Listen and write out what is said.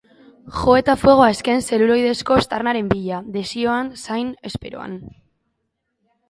Jo eta fuego azken zeluloidezko aztarnen bila, desioan, zain, esperoan.